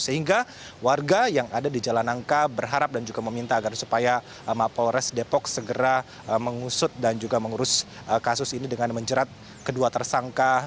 sehingga warga yang ada di jalan nangka berharap dan juga meminta agar supaya mapolres depok segera mengusut dan juga mengurus kasus ini dengan menjerat kedua tersangka